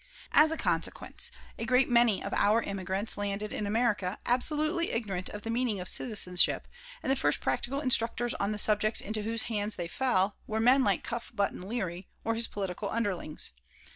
As a consequence a great many of our immigrants landed in America absolutely ignorant of the meaning of citizenship, and the first practical instructors on the subject into whose hands they fell were men like Cuff Button Leary or his political underlings.